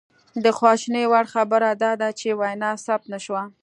د خواشینۍ وړ خبره دا ده چې وینا ثبت نه شوه